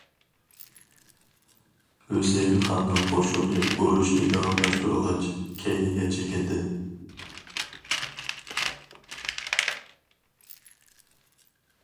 ھۈسەيىن خاننىڭ قوشۇنى ئۇرۇشنى داۋاملاشتۇرغاچ كەينىگە چېكىندى.